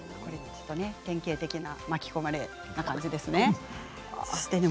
典型的な巻き込まれる感じですね。